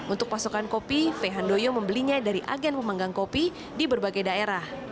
untuk pasokan kopi faye handoyo membelinya dari agen pemanggang kopi di berbagai daerah